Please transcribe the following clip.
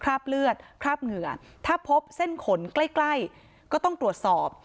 คราบเลือดคราบเหงื่อถ้าพบเส้นขนใกล้ใกล้ก็ต้องตรวจสอบ